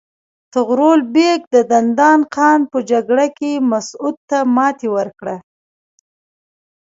طغرل بیګ د دندان قان په جګړه کې مسعود ته ماتې ورکړه.